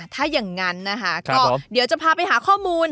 ถ้าอย่างนั้นนะคะก็เดี๋ยวจะพาไปหาข้อมูล